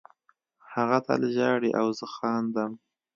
هغه تل ژاړي او زه خاندم